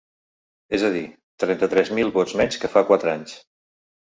És a dir, trenta-tres mil vots menys que fa quatre anys.